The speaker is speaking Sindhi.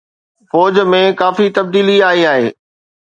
فوج ۾ ڪافي تبديلي آئي آهي